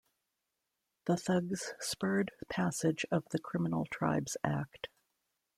The Thugs spurred passage of the Criminal Tribes Act.